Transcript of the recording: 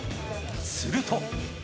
すると。